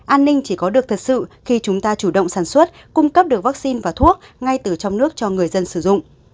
an ninh chỉ có được thật sự khi chúng ta chủ động sản xuất cung cấp được vaccine và thuốc ngay từ trong nước cho người dân sử dụng